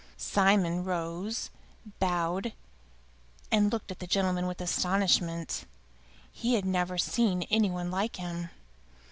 Simon rose, bowed, and looked at the gentleman with astonishment. He had never seen any one like him.